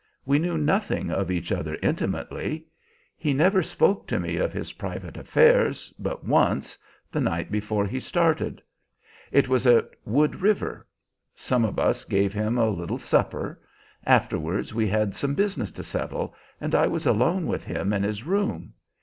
We knew nothing of each other intimately. He never spoke to me of his private affairs but once, the night before he started. It was at Wood River. Some of us gave him a little supper. Afterwards we had some business to settle and I was alone with him in his room.